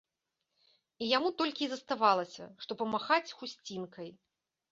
І яму толькі і заставалася, што памахаць хусцінкай.